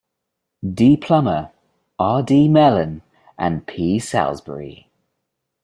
D Plummer, R. D. Melen, and P. Salsbury.